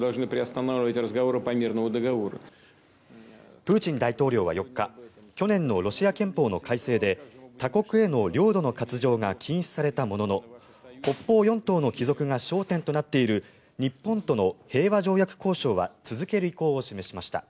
プーチン大統領は４日去年のロシア憲法の改正で他国への領土の割譲が禁止されたものの北方四島の帰属が焦点となっている日本との平和条約交渉は続ける意向を示しました。